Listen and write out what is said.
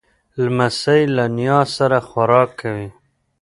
لمسی له نیا سره خوراک کوي.